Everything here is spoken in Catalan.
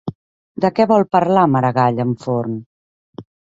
De què vol parlar Maragall amb Forn?